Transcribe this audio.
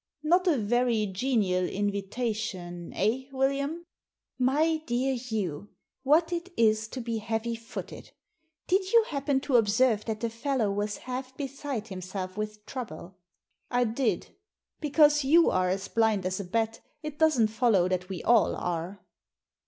" Not a very genial invitation— eh, William ?" "My dear Hugh, what it is to be heavy footed. Did you happen to observe that the fellow was half beside himself with trouble ?" ''I did. Because you are as blind as a bat it doesn't follow that we all are."